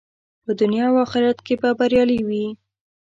په دنیا او آخرت کې به بریالی وي.